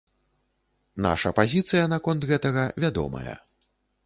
Наша пазіцыя наконт гэтага вядомая.